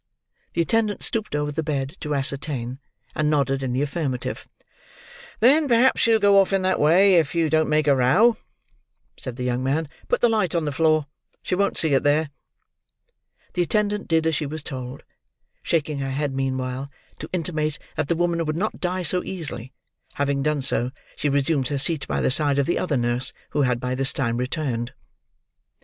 The attendant stooped over the bed, to ascertain; and nodded in the affirmative. "Then perhaps she'll go off in that way, if you don't make a row," said the young man. "Put the light on the floor. She won't see it there." The attendant did as she was told: shaking her head meanwhile, to intimate that the woman would not die so easily; having done so, she resumed her seat by the side of the other nurse, who had by this time returned.